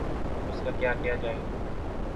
اس کا کیا کیا جائے؟